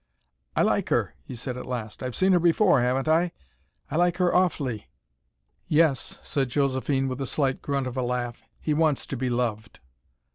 "I like her," he said at last. "I've seen her before, haven't I? I like her awfully." "Yes," said Josephine, with a slight grunt of a laugh. "He wants to be loved."